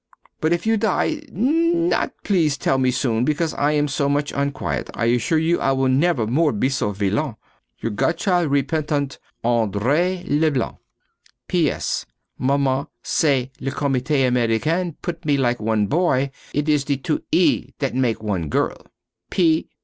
But if you die not please tell me soon because I am so much unquiet. I assure you I will nevermore be so villain. Your godchild repentant, Andrée Leblanc. P.S. Maman say the Comité Americain put me like one boy. It is the two "e" that make one girl.